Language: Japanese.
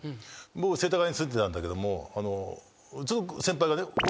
僕世田谷に住んでたんだけども先輩がね。